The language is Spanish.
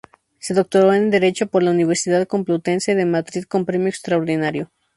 Se doctoró en Derecho por la Universidad Complutense de Madrid con Premio Extraordinario.